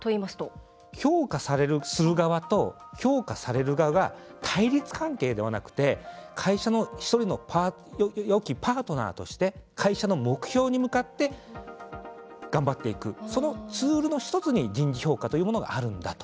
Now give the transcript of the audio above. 評価する側と評価される側が対立関係ではなくて会社の１人のよきパートナーとして会社の目標に向かって頑張っていくそのツールの１つに人事評価というものがあるんだと。